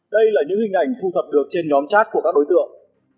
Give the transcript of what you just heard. đây là những hình ảnh thu thập được trên nhóm chat của các đối tượng